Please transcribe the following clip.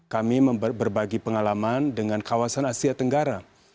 kami berbagi pengalaman dengan kawasan asia tenggara